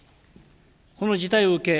この事態を受け